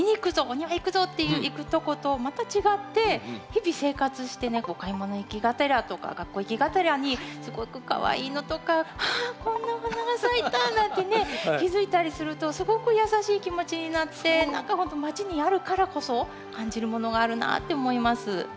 お庭行くぞ！」っていう行くとことまた違って日々生活してね買い物行きがてらとか学校行きがてらにすごくかわいいのとか「あこんなお花が咲いた」なんてね気付いたりするとすごく優しい気持ちになって何かほんとまちにあるからこそ感じるものがあるなって思います。